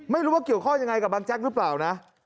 ไม่รู้ว่าเกี่ยวข้อยังไงกับบางแจ๊กหรือเปล่านะ